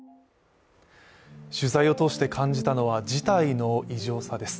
取材を通して感じたのは事態の異常さです。